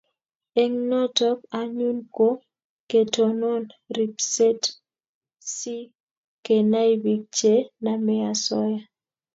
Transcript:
eng' notok anyun ko ketonon ripset si kenai piik che namei asoya